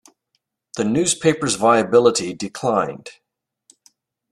The newspaper's viability declined.